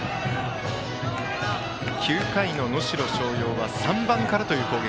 ９回の能代松陽は３番からの攻撃。